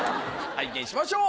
拝見しましょう。